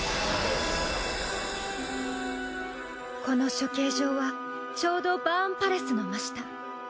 この処刑場はちょうどバーンパレスの真下。